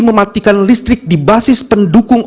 mematikan listrik di basis pendukung